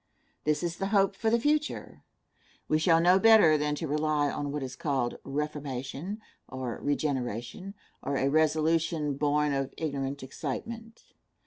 This is the hope for the future. We shall know better than to rely on what is called reformation, or regeneration, or a resolution born of ignorant excitement.